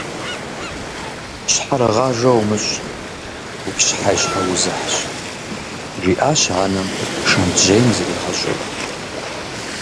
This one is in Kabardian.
«Щхьэрыгъажэ умыщӏ, уи щхьэ и щхьэузыхьщ», - жиӏащ анэм, шэнтжьейм зригъэщӏурэ.